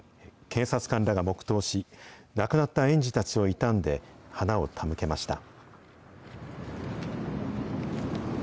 警察官らが黙とうし、亡くなった園児たちを悼んで花を手向けました。